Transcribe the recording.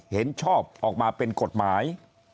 เห็นชอบออกมาเป็นกฎหมาย